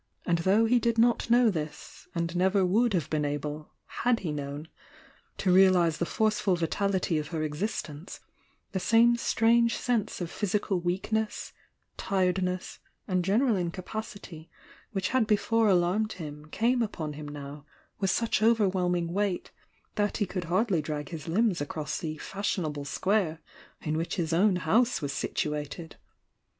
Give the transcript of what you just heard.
And though he did not know this, and never would have been able, had he known, to realise the forceful vitality of her existence, the same strange sense of physical weakness, tiredness Mid general incapacity which had before alarmed him came upon him now with such overwhelming we'ght that he could hardly drag his limbs across the fash ionable square in which his own house was situated.